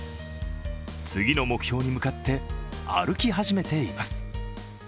次の目標に向かって歩き始めています。